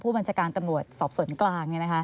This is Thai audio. บัญชาการตำรวจสอบสวนกลาง